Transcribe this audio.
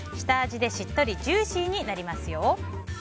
下味でしっとりジューシーになりますよ。